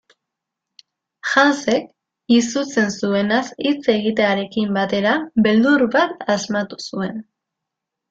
Hansek, izutzen zuenaz hitz egitearekin batera, beldur bat asmatu zuen.